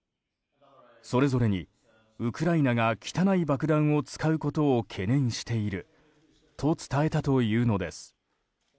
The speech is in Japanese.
それぞれにウクライナが汚い爆弾を使うことを懸念していると伝えたというのです。